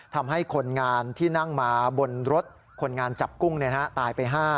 ทำให้คนงานที่นั่งมาบนรถคนงานจับกุ้งตายไป๕